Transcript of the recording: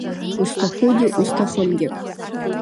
Узҭахугьы, узҭахымгьы…